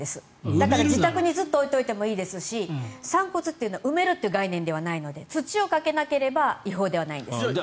だから自宅にずっと置いておいてもいいですし散骨というのは埋めるという概念ではないので土をかけなければ違法ではないんです。